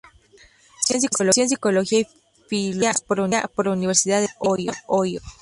Se licenció en Psicología y Filosofía por la Universidad de Dayton, Ohio.